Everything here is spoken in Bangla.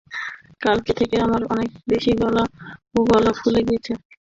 কালকে থেকে আমার অনেক বেশি গাল এবং গলা ফুলে গিয়েছে।